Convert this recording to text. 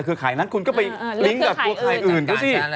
เครือข่ายนั้นคุณก็ไปลิงก์กับเครือข่ายอื่นเพราะสิ